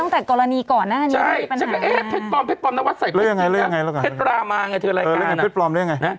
เผ็ดปลอม